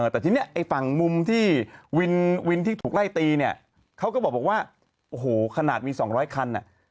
แต่ทีนี้ไอ้ฝั่งมุมที่วินวินที่ถูกไล่ตีเนี่ยเขาก็บอกว่าโอ้โหขนาดมี๒๐๐คัน